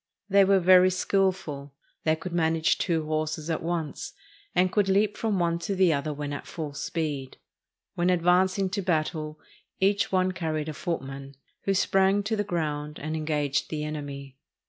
They were very skillful. They could manage two horses at once, and could leap from one to the other when at full speed. When advancing to battle, each one carried a footman, who sprang to the ground and engaged the enemy.